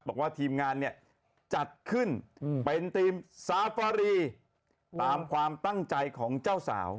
บอกว่าทีมงานเนี่ยจัดขึ้นเป็นทีมซาฟารีตามความตั้งใจของเจ้าสาว